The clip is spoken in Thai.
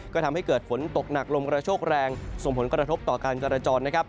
ก็ทำให้เกิดฝนตกหนักลมกระโชคแรงส่งผลกระทบต่อการจราจรนะครับ